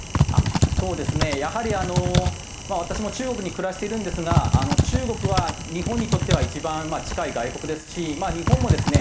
そうですねやはりあの私も中国に暮らしているんですが中国は日本にとっては一番近い外国ですし日本もですね